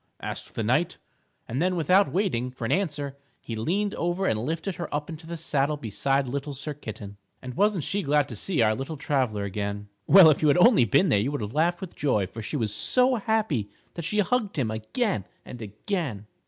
asked the knight. And then without waiting for an answer he leaned over and lifted her up into the saddle beside Little Sir Kitten. And wasn't she glad to see our little traveler again? Well, if you had only been there you would have laughed with joy, for she was so happy that she hugged him again and again.